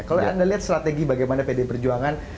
kalau anda lihat strategi bagaimana pdi perjuangan